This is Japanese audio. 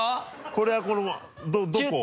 これはこのままどこを？